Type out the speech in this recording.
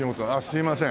すいません。